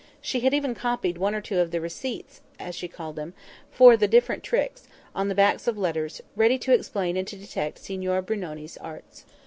She had even copied one or two of the "receipts"—as she called them—for the different tricks, on backs of letters, ready to explain and to detect Signor Brunoni's arts.